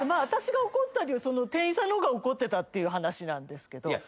私が怒ったその店員さんの方が怒ってたっていう話なんですけど。